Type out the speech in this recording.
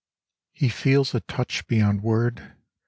He feels a touch beyond word.